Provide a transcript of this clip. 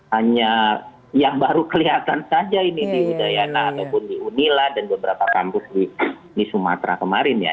hanya yang baru kelihatan saja ini di udayana ataupun di unila dan beberapa kampus di sumatera kemarin ya